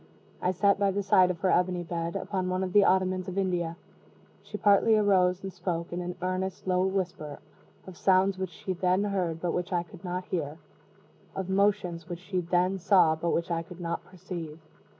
I sat by the side of her ebony bed, upon one of the ottomans of India. She partly arose, and spoke, in an earnest low whisper, of sounds which she then heard, but which I could not hear of motions which she then saw, but which I could not perceive.